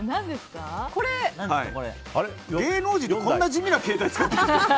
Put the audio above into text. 芸能人ってこんな地味な携帯使ってるの？